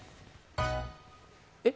え？